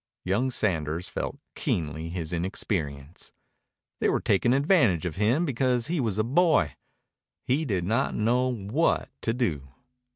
Young Sanders felt keenly his inexperience. They were taking advantage of him because he was a boy. He did not know what to do.